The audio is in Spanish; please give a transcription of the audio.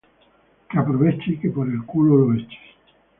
Qué aproveche y que por el culo lo eches